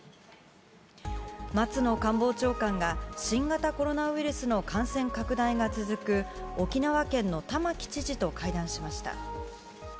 松野官房長官が新型コロナウイルスの感染拡大が続く、沖縄県の玉城知事と会談しました。